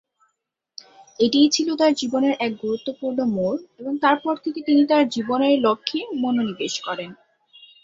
এটিই ছিল তাঁর জীবনের এক গুরুত্বপূর্ণ মোড় এবং তার পর থেকে তিনি তাঁর জীবনের লক্ষ্যে মনোনিবেশ করেন।